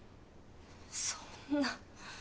そんな。